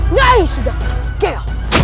nyi sudah pasti kek